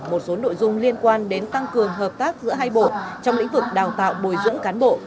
một số nội dung liên quan đến tăng cường hợp tác giữa hai bộ trong lĩnh vực đào tạo bồi dưỡng cán bộ